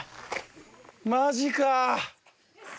マジか。